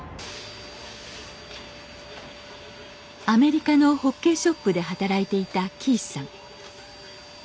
アメリカのホッケーショップで働いていたキースさん。